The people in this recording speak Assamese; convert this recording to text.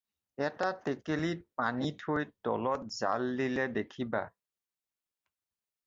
এটা টেকেলিত পানী থৈ তলত জাল দিলে দেখিবা